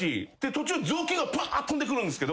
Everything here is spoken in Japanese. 途中雑巾がばーっ飛んでくるんですけど。